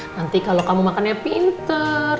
nanti kalau kamu makannya pinter